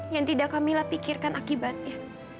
yang tidak kamilah pikirkan akibatnya